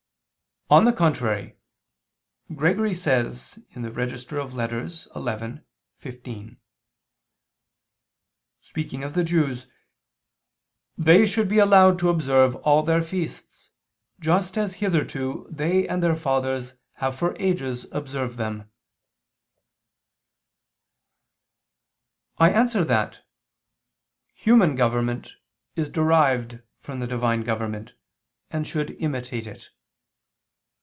On the contrary, Gregory [*Regist. xi, Ep. 15: cf. Decret., dist. xlv, can., Qui sincera] says, speaking of the Jews: "They should be allowed to observe all their feasts, just as hitherto they and their fathers have for ages observed them." I answer that, Human government is derived from the Divine government, and should imitate it.